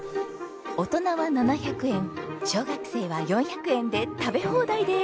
大人は７００円小学生は４００円で食べ放題です。